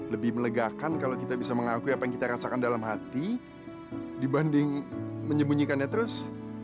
lebih melegakan kalau kita bisa mengakui apa yang kita rasakan dalam hati dibanding menyembunyikannya terus